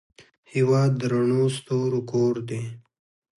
هېواد د رڼو ستورو کور دی.